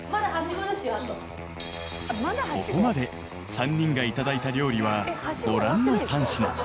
［ここまで３人がいただいた料理はご覧の３品］